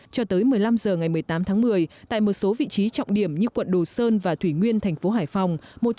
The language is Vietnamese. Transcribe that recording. cho tới một mươi năm h ngày một mươi tám tháng một mươi tại một số vị trí trọng điểm như quận đồ sơn và thủy nguyên thành phố hải phòng